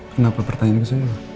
kenapa pertanyaan ke saya